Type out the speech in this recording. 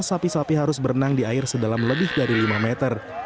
sapi sapi harus berenang di air sedalam lebih dari lima meter